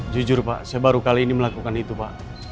jujur pak saya baru kali ini melakukan itu pak